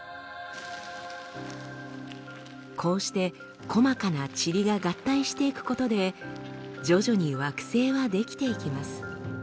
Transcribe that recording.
こうして細かなチリが合体していくことで徐々に惑星は出来ていきます。